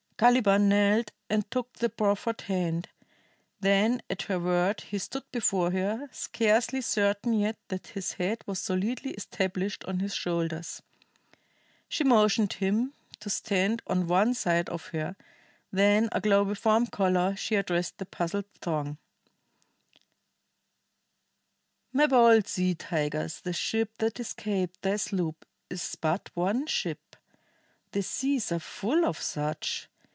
Caliban knelt and took the proffered hand, then at her word he stood before her, scarcely certain yet that his head was solidly established on his shoulders. She motioned him to stand on one side of her, then, aglow with warm color, she addressed the puzzled throng: "My bold sea tigers, the ship that escaped thy sloop is but one ship. The seas are full of such.